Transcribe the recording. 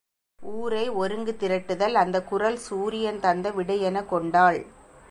ஊரை ஒருங்குதிரட்டுதல் அந்தக் குரல் சூரியன் தந்த விடை எனக் கொண்டாள்.